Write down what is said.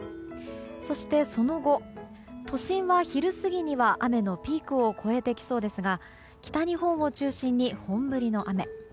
そしてその後、都心は昼過ぎには雨のピークを越えてきそうですが北日本を中心に本降りの雨。